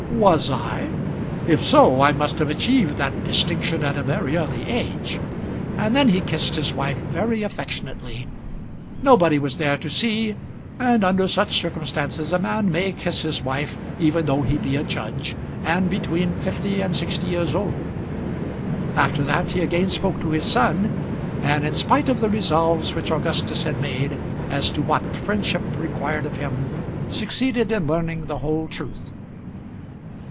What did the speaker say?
"Was I? If so I must have achieved that distinction at a very early age." And then he kissed his wife very affectionately. Nobody was there to see, and under such circumstances a man may kiss his wife even though he be a judge, and between fifty and sixty years old. After that he again spoke to his son, and in spite of the resolves which Augustus had made as to what friendship required of him, succeeded in learning the whole truth.